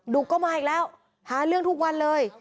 ก็มาอีกแล้วหาเรื่องทุกวันเลย